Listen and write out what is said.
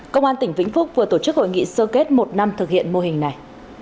công an tỉnh vĩnh phúc vừa tổ chức hội nghị sơ kết một năm thực hiện mô hình này